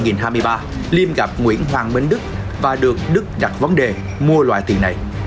đến tháng ba liêm gặp nguyễn hoàng bến đức và được đức đặt vấn đề mua loại tiền này